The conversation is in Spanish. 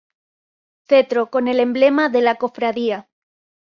Cetro con el emblema de la Cofradía.